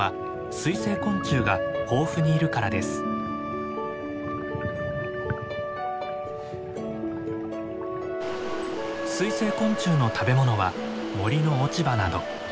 水生昆虫の食べ物は森の落ち葉など。